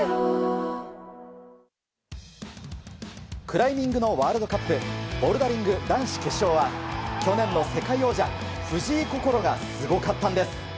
クライミングのワールドカップボルダリング男子決勝は去年の世界王者・藤井快がすごかったんです。